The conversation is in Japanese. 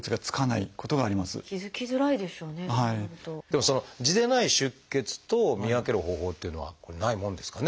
でも痔でない出血と見分ける方法っていうのはないもんですかね？